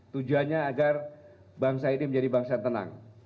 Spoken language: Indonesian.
tujuannya agar bangsa ini menjadi bangsa yang tenang